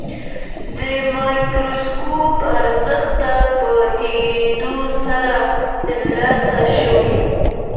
د مایکروسکوپ ارزښت په تېرېدو سره ترلاسه شوی.